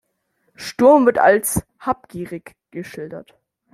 Sturm wird als habgierig geschildert.